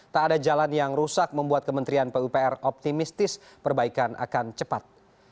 tak ada jalan yang rusak membuat kementerian pupr optimistis perbaikan akan cepat